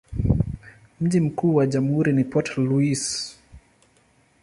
Mji mkuu wa jamhuri ni Port Louis.